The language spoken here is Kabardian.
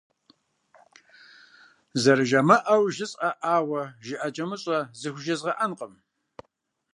Зэрыжамыӏэу жысӏэӏуэӏауэ жыӏэкӏэмыщӏэ зыхужезгъэӏэнкъым.